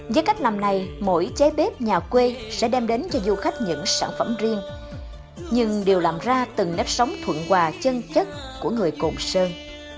với cách làm này mỗi cháy bếp nhà quê sẽ đem đến cho du khách những sản phẩm riêng nhưng đều làm ra từng nếp sống thuận quà chân chất của người cộng sơn